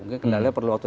kendalanya perlu waktu